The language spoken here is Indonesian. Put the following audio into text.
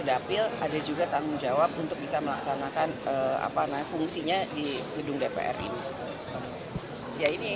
ada juga tanggung jawab untuk bisa melaksanakan fungsinya di gedung dpr ini